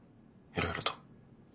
いろいろと。